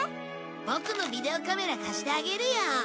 ボクのビデオカメラ貸してあげるよ。